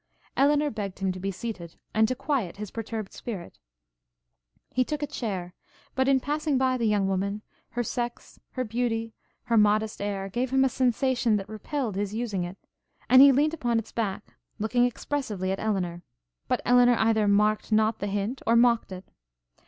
Elinor begged him to be seated, and to quiet his perturbed spirit. He took a chair, but, in passing by the young woman, her sex, her beauty, her modest air, gave him a sensation that repelled his using it, and he leant upon its back, looking expressively at Elinor; but Elinor either marked not the hint, or mocked it.